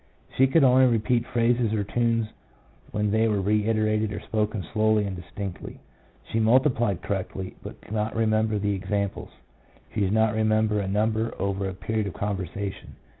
She could only repeat phrases or tunes when they were reiterated or spoken slowly and distinctly. She multiplied correctly, but could not remember the examples ; she did remember a number over a period of conversation.